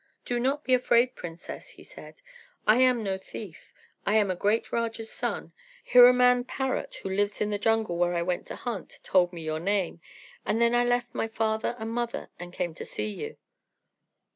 "Do not be afraid, princess," he said; "I am no thief. I am a great Raja's son. Hiraman parrot, who lives in the jungle where I went to hunt, told me your name, and then I left my father and mother, and came to see you."